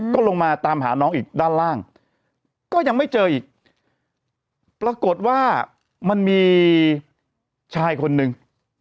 ก็ลงมาตามหาน้องอีกด้านล่างก็ยังไม่เจออีกปรากฏว่ามันมีชายคนนึง